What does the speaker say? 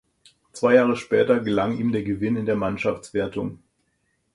Zwei Jahre später gelang ihm der Gewinn in der Mannschaftswertung.